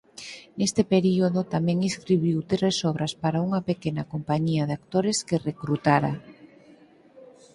Neste período tamén escribiu tres obras para unha pequena compañía de actores que recrutara.